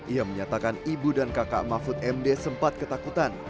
ia menyatakan ibu dan kakak mahfud md sempat ketakutan